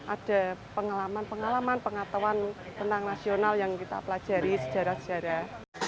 ada pengalaman pengalaman pengetahuan tentang nasional yang kita pelajari sejarah sejarah